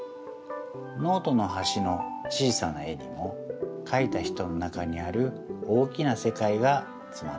ノートのはしの小さな絵にもかいた人の中にある大きなせかいがつまっています。